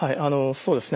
そうですよね。